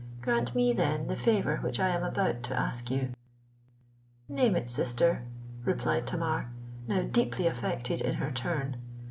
Grant me, then, the favour which I am about to ask you."—"Name it, sister," replied Tamar, now deeply affected in her turn.